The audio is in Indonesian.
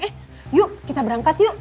eh yuk kita berangkat yuk